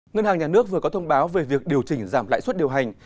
ngân hàng nhà nước vừa có thông báo về việc điều chỉnh giảm lãi suất điều hành